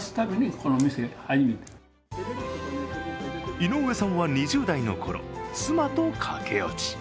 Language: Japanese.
井上さんは２０代の頃、妻と駆け落ち。